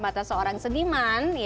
banten orang tua banten